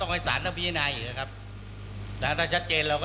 ตอนนี้ยังอยู่ระหว่างรวมหลักฐานว่าเกี่ยวข้องกับการกระทำผิดหรือไม่ค่ะ